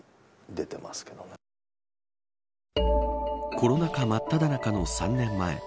コロナ禍まっただ中の３年前。